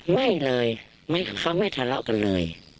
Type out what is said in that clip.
ไม่เลยเขาไม่ทะเลาะกันเลย